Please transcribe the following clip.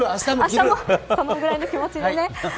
そのぐらいの気持ちでね。